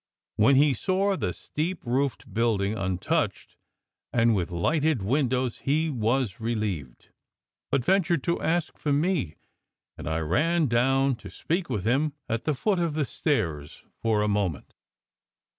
When he saw the steep roofed building un touched, and with lighted windows, he was relieved, but ventured to ask for me, and I ran down to speak with him at the foot of the stairs for a moment.